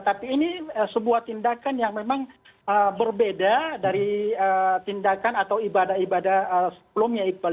tapi ini sebuah tindakan yang memang berbeda dari tindakan atau ibadah ibadah sebelumnya iqbal